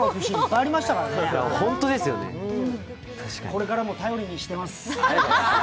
これからも頼りにしてます。